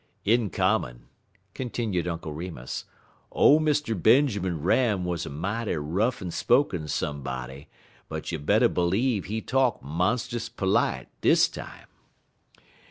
"In common," continued Uncle Remus, "ole Mr. Benjermun Ram wuz a mighty rough en spoken somebody, but you better b'leeve he talk monst'us perlite dis time.